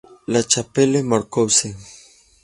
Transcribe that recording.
La Chapelle-Marcousse